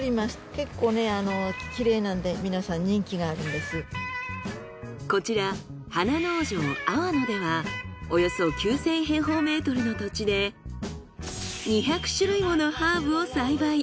結構ねこちら花農場あわのではおよそ９，０００平方メートルの土地で２００種類ものハーブを栽培。